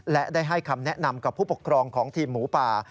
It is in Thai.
และได้ให้คำแนะนำกับผู้ปกครองของทีมหมูป่า